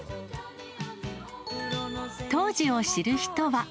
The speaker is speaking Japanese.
当時を知る人は。